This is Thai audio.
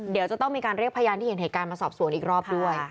เดี๋ยวจะต้องมีการเรียกพยานที่เห็นเหตุการณ์มาสอบสวนอีกรอบด้วย